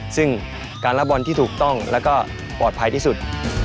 ซึ่งการรับบอลที่ถูกต้องแล้วก็ปลอดภัยที่สุด